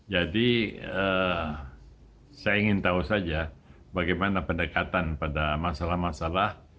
jadi saya ingin tahu saja bagaimana pendekatan pada masalah masalah